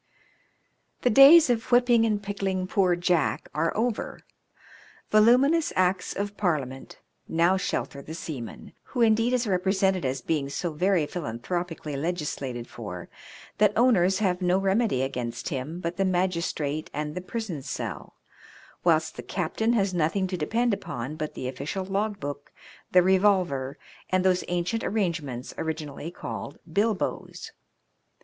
The days of whipping and pickling poor Jack are over. Voluminous Acts of Parliament now shelter the seaman, who, indeed, is represented as being so very philan thropically legislated for, that owners have no remedy against him but the magistrate and the prison cell, whilst the captain has nothing to depend upon but the oflScial log book, the revolver, and those ancient arrange ments originally called bilboes.